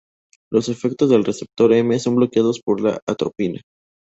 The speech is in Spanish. Los efectos del receptor M son bloqueados por la atropina.